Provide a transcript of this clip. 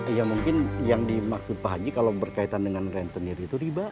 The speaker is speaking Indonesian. ya mungkin yang dimaksud pak haji kalau berkaitan dengan rentenir itu